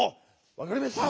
わかりました！